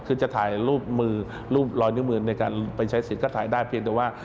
คือจะถ่ายรูปมือรูปรอยนิ้วมือในการไปใช้สิทธิ์ก็ถ่ายได้เพียงแต่ว่า